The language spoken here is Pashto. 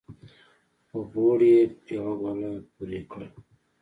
په بوړ يې يوه ګوله پورې کړه